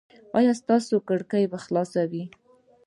ایا ستاسو کړکۍ به خلاصه وي؟